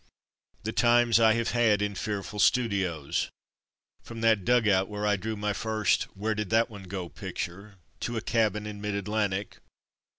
The times I have had in fearful " studios V^ — from that dugout where I drew my first ''Where did that one go.^^'' picture — to a cabin in mid Atlantic.